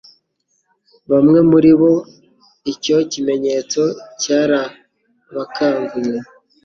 bamwe muri bo icyo kimenyetso cyarabakanguye.